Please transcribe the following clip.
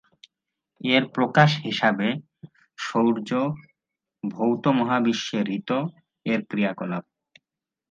এর প্রকাশ হিসাবে সূর্য, ভৌত মহাবিশ্বে ঋত-এর ক্রিয়াকলাপ।